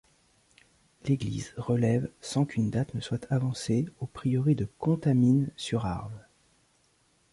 L'église relève, sans qu'une date ne soit avancée, au prieuré de Contamine-sur-Arve.